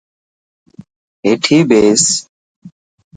هيٺي ٻيٺس.